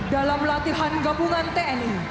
dalam latihan gabungan tni